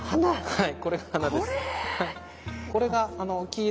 はい。